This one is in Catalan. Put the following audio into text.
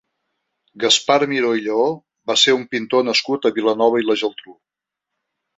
Gaspar Miró i Lleó va ser un pintor nascut a Vilanova i la Geltrú.